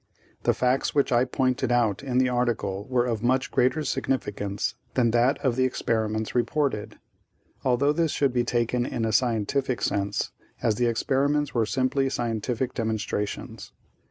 The facts which I pointed out in the article were of much greater significance than that of the experiments reported, although this should be taken in a scientific sense, as the experiments were simply scientific demonstrations.